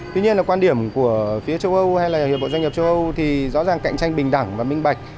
tuy nhiên là quan điểm của phía châu âu hay là hiệp hội doanh nghiệp châu âu thì rõ ràng cạnh tranh bình đẳng và minh bạch